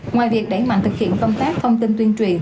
ngoài việc đẩy mạnh thực hiện công tác thông tin tuyên truyền